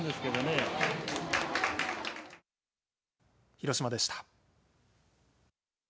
広島でした。